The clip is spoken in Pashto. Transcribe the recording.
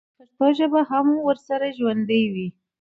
پښتو ژبه به هم ورسره ژوندۍ وي.